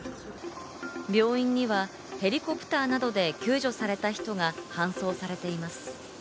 病院にはヘリコプターなどで救助された人が搬送されています。